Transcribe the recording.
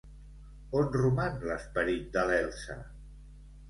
On roman l'esperit de l'Elsa?